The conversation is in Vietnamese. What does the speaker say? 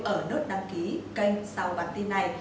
ở nốt đăng ký kênh sau bản tin này